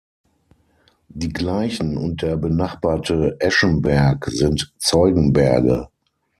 Die Gleichen und der benachbarte Eschenberg sind Zeugenberge.